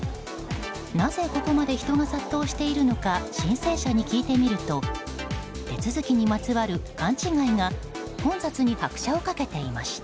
なぜ、ここまで人が殺到しているのか申請者に聞いてみると手続きにまつわる勘違いが混雑に拍車を掛けていました。